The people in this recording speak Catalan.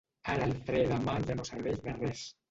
Ara el fre de mà ja no serveix de res.